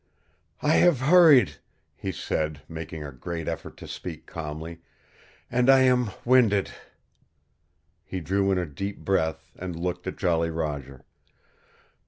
"I have hurried," he said, making a great effort to speak calmly, "and I am winded " He drew in a deep breath, and looked at Jolly Roger.